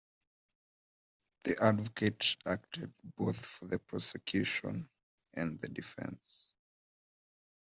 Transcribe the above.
The advocate acted both for the prosecution and the defence.